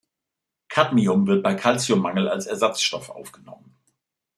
Cadmium wird bei Calcium-Mangel als Ersatzstoff aufgenommen.